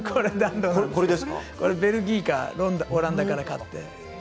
ベルギーかオランダから買って。